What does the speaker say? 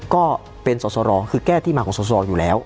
ก็เป็นสอสรคือแก้ที่มาของสอสออยู่แล้ว